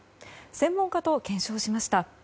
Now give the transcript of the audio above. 専門家と検証しました。